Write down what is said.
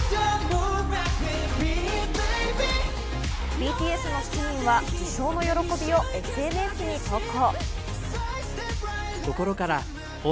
ＢＴＳの７人は受賞の喜びをＳＮＳに投稿。